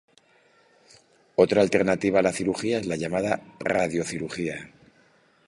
Otra alternativa a la cirugía es la llamada radiocirugía.